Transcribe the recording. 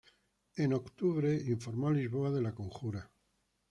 En octubre, informó a Lisboa de la conjura.